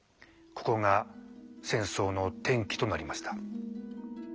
ここが戦争の転機となりました。